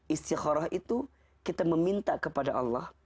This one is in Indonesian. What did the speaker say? istiqorah itu kita meminta kepada allah